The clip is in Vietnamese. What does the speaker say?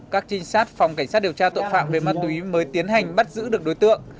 các trinh sát phòng cảnh sát điều tra tội phạm về ma túy mới tiến hành bắt giữ được đối tượng